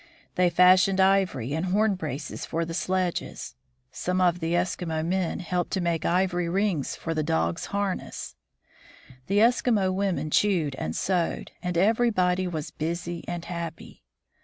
They fashioned ivory and horn braces for the sledges. Some of the Eskimo men helped to make ivory rings for the dogs' PEARY CROSSES GREENLAND 1 37 harness. The Eskimo women chewed and sewed, and everybody was busy and happy.